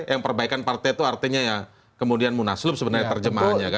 yang perbaikan partai itu artinya ya kemudian munaslup sebenarnya terjemahannya kan